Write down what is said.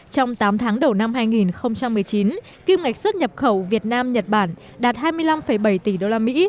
trong tám tháng đầu năm hai nghìn một mươi chín kim ngạch xuất nhập khẩu việt nam nhật bản đạt hai mươi năm bảy tỷ usd